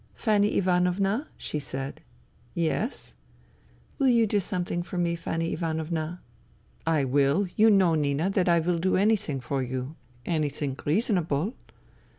" Fanny Ivanovna," she said. " Yes ?"" Will you do something for me, Fanny Ivanovna ?"" I will. You know, Nina, that I will do any thing for you, anything — reasonable.'